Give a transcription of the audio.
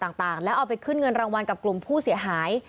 ต่างแล้วเอาไปขึ้นเงินรางวัลกับกลุ่มผู้เสียหาย